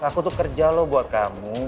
aku tuh kerja loh buat kamu